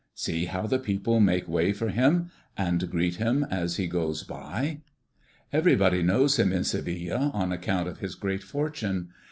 See how the people make way for him and greet him as he goes by! "Everybody knows him in Seville on account of his great fortune.